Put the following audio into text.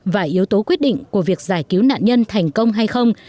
và yếu tố quyết định của việc giải cứu nạn nhân thành công hay không